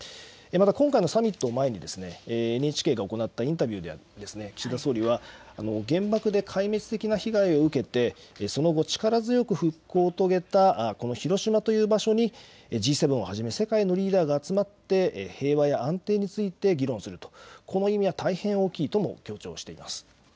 今回のサミットを前にＮＨＫが行ったインタビューでは岸田総理は原爆で壊滅的な被害を受けてその後、力強く復興を遂げた広島という場所にＧ７をはじめ世界のリーダーが集まって平和や安定について議論する、この意味は大変大きいとも強調しています。